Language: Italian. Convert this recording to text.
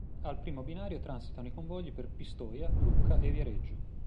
Al primo binario transitano i convogli per Pistoia, Lucca e Viareggio.